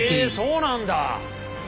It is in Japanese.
そうなんだ。